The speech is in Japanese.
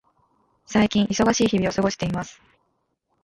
最近、忙しい日々を過ごしています。